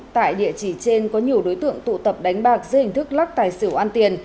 tại địa chỉ trên có nhiều đối tượng tụ tập đánh bạc dưới hình thức lắc tài xỉu ăn tiền